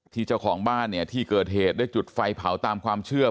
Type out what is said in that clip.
เจ้าของบ้านเนี่ยที่เกิดเหตุได้จุดไฟเผาตามความเชื่อ